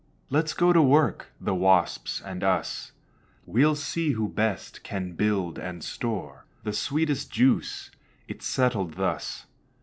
Let's go to work, the wasps and us, We'll see who best can build and store The sweetest juice." It's settled thus.